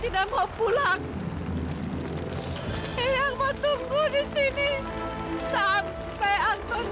udah eyang dia cuman tunggu di dalam aja ya